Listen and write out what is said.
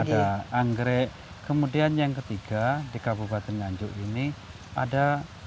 ada anggrek kemudian yang ketiga di kabupaten nganjuk ini ada